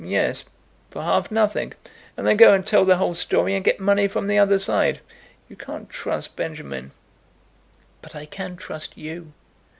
"Yes; for half nothing; and then go and tell the whole story and get money from the other side. You can't trust Benjamin." "But I can trust you."